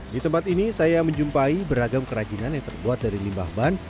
di tempat ini saya menjumpai beragam kerajinan yang terbuat dari limbah ban